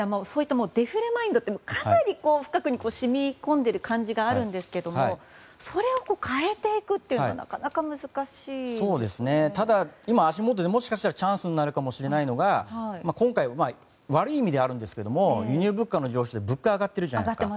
デフレマインドってかなり深くまで染み込んでいる感じがあるんですがそれを変えていくというのはなかなか足元でもしかしたらチャンスになるかもしれないのが今回悪い意味ではあるんですけど輸入物価の上昇で物価が上がっているじゃないですか。